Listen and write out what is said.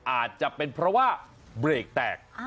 อาจจะเป็นเพราะว่าเบรกแตก